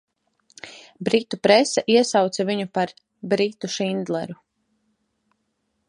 "Britu prese iesauca viņu par "Britu Šindleru"."